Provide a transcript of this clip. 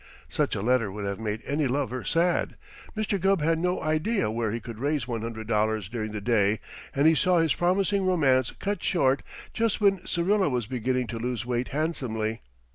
Such a letter would have made any lover sad. Mr. Gubb had no idea where he could raise one hundred dollars during the day and he saw his promising romance cut short just when Syrilla was beginning to lose weight handsomely.